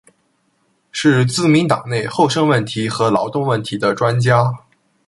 是自民党内厚生问题和劳动问题的专家。